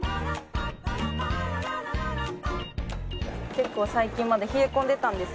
結構最近まで冷え込んでたんですけど。